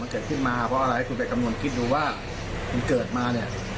มาเกิดขึ้นมาเพราะอะไรคุณธิการมีคิดดูว่าเกิดมาเนี่ย